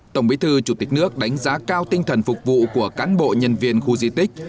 tổng bí thư chủ tịch nước đánh giá cao tinh thần phục vụ của cán bộ nhân viên khu di tích